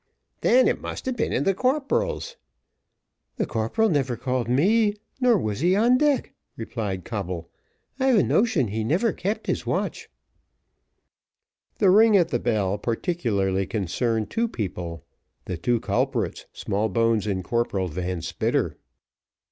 "Then it must have been in the corporal's." "The corporal never called me, nor was he 'on deck," replied Coble. "I've a notion he never kept his watch." The ring at the bell particularly concerned two people, the two culprits, Smallbones and Corporal Van Spitter.